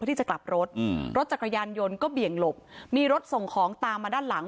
ที่จะกลับรถอืมรถจักรยานยนต์ก็เบี่ยงหลบมีรถส่งของตามมาด้านหลัง